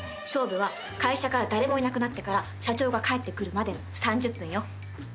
勝負は会社から誰もいなくなってから社長が帰ってくるまでの３０分よ。